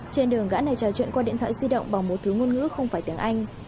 trên đường gã này trò chuyện qua điện thoại di động bằng một thứ ngôn ngữ không phải tiếng anh